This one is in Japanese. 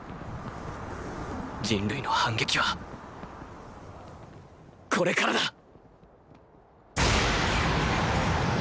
人類の反撃はこれからだ！